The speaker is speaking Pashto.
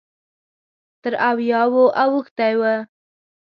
تر اویاوو اوښتی و.